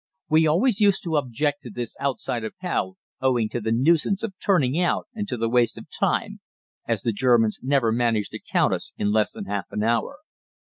We always used to object to this outside Appell owing to the nuisance of turning out and to the waste of time, as the Germans never managed to count us in less than half an hour.